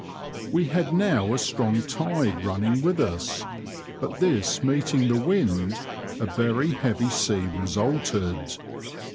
We had now a strong tide running with us, but this meeting the wind, a very heavy sea resulted.